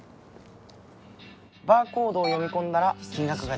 バーコードを読み込んだら金額が出るのね。